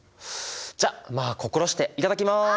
じゃあまあ心して頂きます！